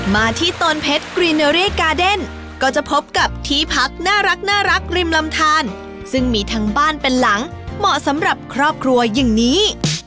มาที่โตนเพชรกรีเนอรี่กาเดนก็จะพบกับที่พักน่ารักริมลำทานซึ่งมีทั้งบ้านเป็นหลังเหมาะสำหรับครอบครัวอย่างนี้